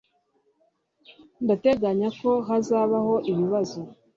Ndateganya ko hazabaho ibibazo